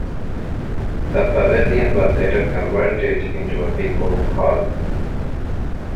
The Pavilion was later converted into a bingo hall.